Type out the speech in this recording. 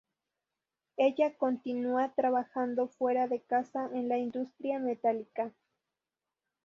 Ella continúa trabajando fuera de casa en la industria metálica.